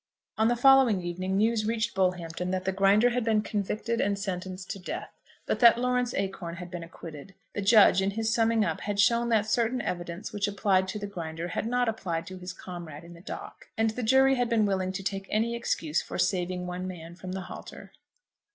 On the following evening news reached Bullhampton that the Grinder had been convicted and sentenced to death, but that Lawrence Acorn had been acquitted. The judge, in his summing up, had shown that certain evidence which applied to the Grinder had not applied to his comrade in the dock, and the jury had been willing to take any excuse for saving one man from the halter.